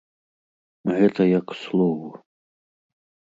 Гэта я к слову.